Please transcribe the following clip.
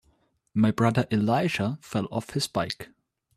My brother Elijah fell off his bike.